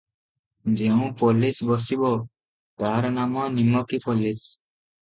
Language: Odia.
ଯେଉଁ ପୋଲିଶ ବସିବ, ତାହାର ନାମ ନିମକୀ ପୋଲିଶ ।